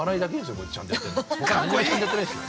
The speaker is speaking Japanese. ほか、何もちゃんとやってないですよ。